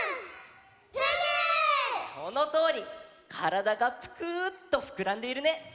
からだがぷくっとふくらんでいるね。